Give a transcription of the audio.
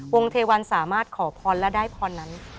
เทวันสามารถขอพรและได้พรนั้น